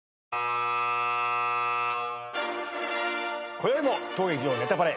こよいも当劇場『ネタパレ』